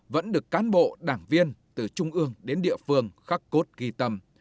vẫn được cán bộ đảng viên từ trung ương đến địa phương khắc cốt ghi tâm